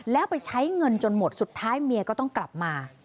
แล้วไปใช้เงินจนหมดสุดท้ายเมียก็ต้องกลับมา